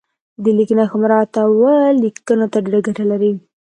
د لیک نښو مراعاتول لیکونکي ته ډېره ګټه لري.